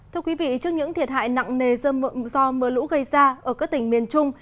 trước những thiệt hại nặng nề do mưa lũ gây ra ở các tỉnh miền trung